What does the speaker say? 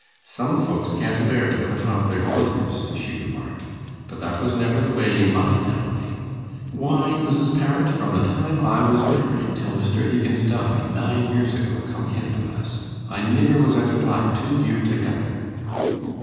'Some folks can't a bear to put off their colours,' she remarked; 'but that was never the way i' my family. Why, Mrs. Parrot, from the time I was married, till Mr. Higgins died, nine years ago come Candlemas, I niver was out o' black two year together!